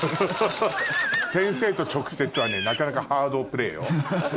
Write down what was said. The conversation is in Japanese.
先生と直接はねなかなかハードプレーよ。